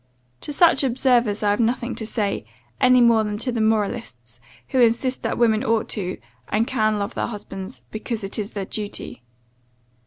To such observers I have nothing to say, any more than to the moralists, who insist that women ought to, and can love their husbands, because it is their duty.